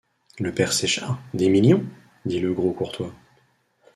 Le père Séchard, des millions?... dit le gros Courtois.